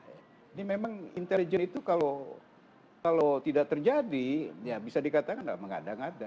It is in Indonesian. ini memang intelijen itu kalau tidak terjadi ya bisa dikatakan mengada ngada